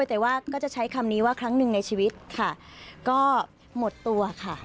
แต่ว่าก็จะใช้คำนี้ว่าครั้งหนึ่งในชีวิตค่ะก็หมดตัวค่ะ